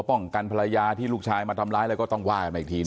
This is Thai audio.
ป้องกันภรรยาที่ลูกชายมาทำร้ายแล้วก็ต้องว่ากันอีกทีเนี่ย